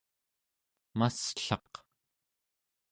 masslaq